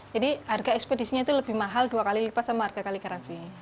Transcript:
jadi harga ekspedisinya itu lebih mahal dua kali lipat sama harga kaligrafi